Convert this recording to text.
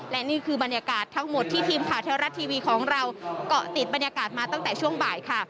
และนี่คือบรรยากาศทั้งหมดที่ทีมข่าวเทวรัฐทีวีของเราเกาะติดบรรยากาศมาตั้งแต่ช่วงบ่ายค่ะ